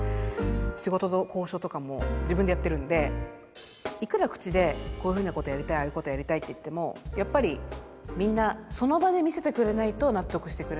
仕事の交渉とかも自分でやってるんでいくら口でこういうふうなことやりたいああいうことやりたいって言ってもやっぱりみんなその場で見せてくれないと納得してくれないので。